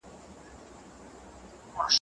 د قمرۍ هڅه د هر چا لپاره یو درس دی.